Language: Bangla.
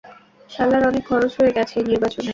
শালার অনেক খরচ হয়ে গেছে এই নির্বাচনে।